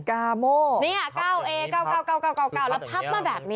กราโมปับแบบนี่